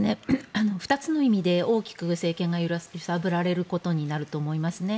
２つの意味で大きく政権が揺さぶられることになると思いますね。